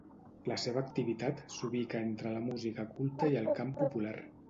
La seva activitat s'ubica entre la música culta i el cant popular.